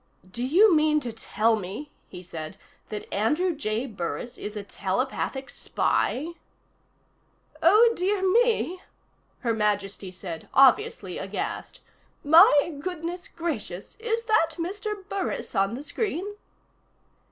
"Do you mean to tell me," he said, "that Andrew J. Burris is a telepathic spy?" "Oh, dear me," Her Majesty said, obviously aghast. "My goodness gracious. Is that Mr. Burris on the screen?"